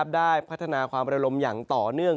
ได้พัฒนาความระลมอย่างต่อเนื่อง